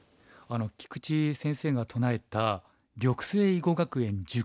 菊池先生が唱えた緑星囲碁学園十